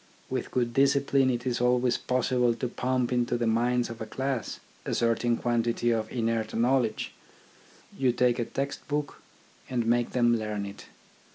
With good discipline, it is always possible to pump into the minds of a class a certain quantity of inert knowledge. You take a text book and make them learn it.